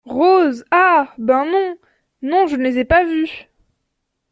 Rose Ah ! ben, non ! non je les ai pas vues.